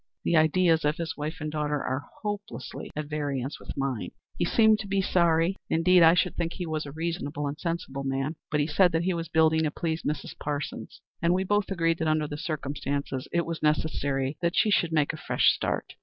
The ideas of his wife and daughter are hopelessly at variance with mine. He seemed to be sorry indeed, I should think he was a reasonable and sensible man but he said that he was building to please Mrs. Parsons, and we both agreed that under the circumstances it was necessary that she should make a fresh start.